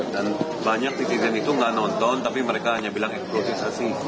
dan banyak titik titik itu nggak nonton tapi mereka hanya bilang eksplosif